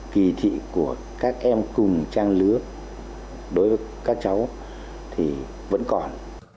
kỳ thị của các em cùng trang lứa đối với các cháu thì vẫn còn